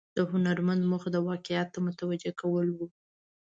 د هنرمند موخه د واقعیت ته متوجه کول و.